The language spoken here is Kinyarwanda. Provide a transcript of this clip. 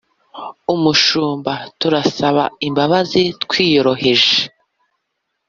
umushumba, turasaba imbabazi twiyoroheje